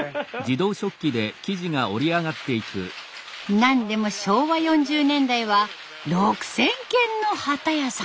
何でも昭和４０年代は６，０００軒の機屋さん。